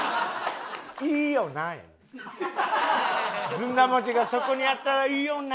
「ずんだ餅がそこにあったらいいよな」